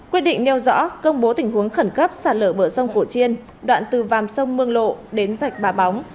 quyết định nêu rõ công bố tình huống khẩn cấp sạt lở bờ sông cổ chiên đoạn từ vàm sông mương lộ đến rạch bà bóng